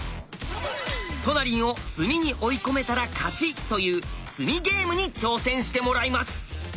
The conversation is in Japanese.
トナリンを詰みに追い込めたら勝ちという「詰みゲーム」に挑戦してもらいます！